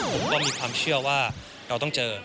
ผมก็มีความเชื่อว่าเราต้องเจอ